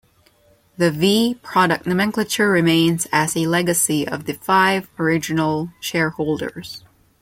The "V" product nomenclature remains as a legacy of the five original shareholders.